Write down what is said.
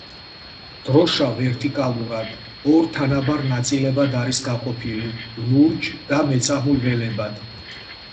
დროშა ვერტიკალურად, ორ თანაბარ ნაწილებად არის გაყოფილი, ლურჯ და მეწამულ ველებად.